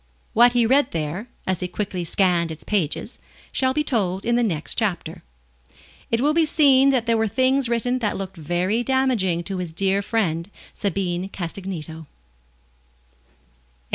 What he read there, as he quickly scanned its pages, shall be told in the next chapter. It will be seen that there were things written that looked very damaging to his dear friend, Sabine Castagneto.